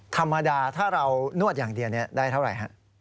ธรรมดาถ้าเรานวดอย่างเดียวได้เท่าไหร่ฮะ